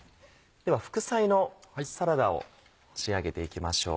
では副菜のサラダを仕上げていきましょう。